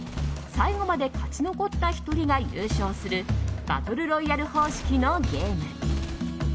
最後まで勝ち残った１人が優勝するバトルロイヤル方式のゲーム。